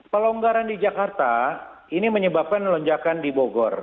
pelonggaran di jakarta ini menyebabkan lonjakan di bogor